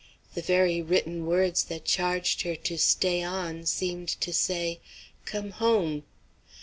The very written words that charged her to stay on seemed to say, "Come home!"